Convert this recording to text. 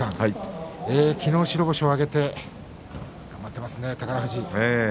昨日、白星を挙げて頑張ってますね、宝富士。